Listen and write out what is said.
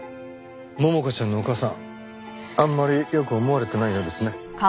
百花ちゃんのお母さんあんまりよく思われてないようですね。